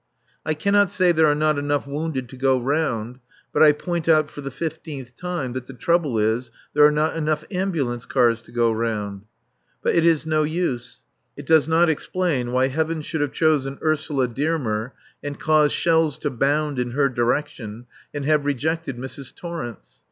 I cannot say there are not enough wounded to go round, but I point out for the fifteenth time that the trouble is there are not enough ambulance cars to go round. But it is no use. It does not explain why Heaven should have chosen Ursula Dearmer and caused shells to bound in her direction, and have rejected Mrs. Torrence.